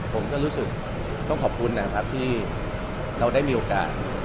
ผมก็รู้สึกต้องขอบคุณนะครับที่เราได้มีโอกาส